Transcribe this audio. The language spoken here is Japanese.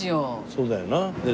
そうだよな。